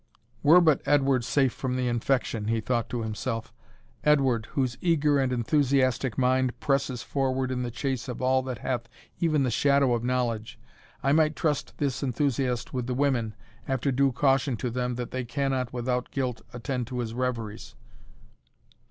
"Were but Edward safe from the infection," he thought to himself "Edward, whose eager and enthusiastic mind presses forward in the chase of all that hath even the shadow of knowledge, I might trust this enthusiast with the women, after due caution to them that they cannot, without guilt, attend to his reveries."